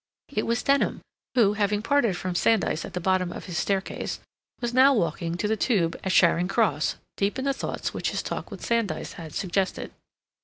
It was Denham who, having parted from Sandys at the bottom of his staircase, was now walking to the Tube at Charing Cross, deep in the thoughts which his talk with Sandys had suggested.